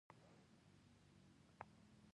پدې درجه کې د بکټریاوو وده ډېره چټکه وي.